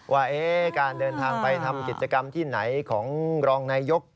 ว่าการเดินทางไปทำกิจกรรมที่ไหนของรองนายยก